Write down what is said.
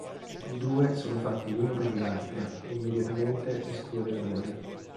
I due sono fatti l'uno per l'altra e immediatamente esplode l'amore.